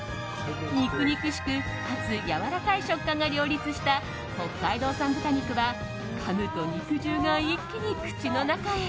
肉々しくかつやわらかい食感が両立した北海道産豚肉はかむと肉汁が一気に口の中へ。